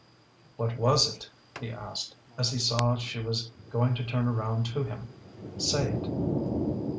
"What was it?" he asked, as he saw she was going to turn around to him. "Say it."